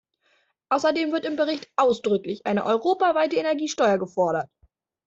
Außerdem wird im Bericht ausdrücklich eine europaweite Energiesteuer gefordert.